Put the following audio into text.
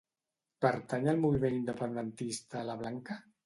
Pertany al moviment independentista la Blanca?